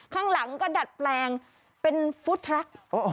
ข้างหลังก็ดัดแปลงเป็นฟุตทรัค